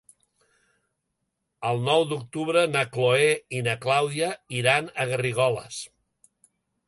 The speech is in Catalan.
El nou d'octubre na Chloé i na Clàudia iran a Garrigoles.